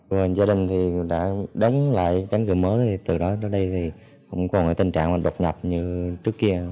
và gia đình thì đã đóng lại cánh cửa mới thì từ đó tới đây thì cũng còn tình trạng đột nhập như trước kia